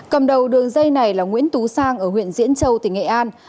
cầm đầu đường dây này là nguyễn tú sang ở huyện diễn châu tỉnh nghệ an